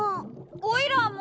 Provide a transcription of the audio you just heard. おいらも。